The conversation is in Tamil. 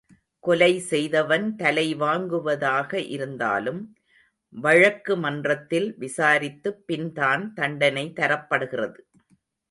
கொலை செய்தவன் தலை வாங்குவதாக இருந்தாலும் வழக்கு மன்றத்தில் விசாரித்துப் பின் தான் தண்டனை தரப்படுகிறது.